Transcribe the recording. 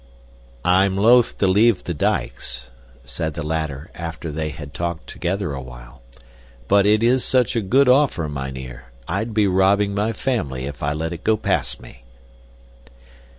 "I'm loath to leave the dikes," said the latter, after they had talked together awhile, "but it is such a good offer, mynheer, I'd be robbing my family if I let it go past me."